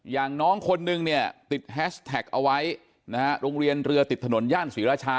อย่างน้องคนนึงเนี่ยติดแฮชแท็กเอาไว้นะฮะโรงเรียนเรือติดถนนย่านศรีราชา